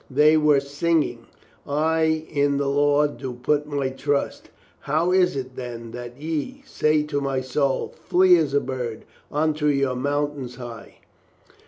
They were singing: I in the Lord do put my trust; How is it, then, that ye Say to my soul, Flee as a bird Unto your mountains high?